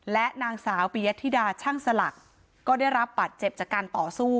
และนางสาวปียธิดาช่างสลักก็ได้รับบาดเจ็บจากการต่อสู้